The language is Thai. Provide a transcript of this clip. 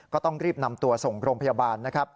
ก็ต้องรีบนำตัวส่งโรงพยาบาล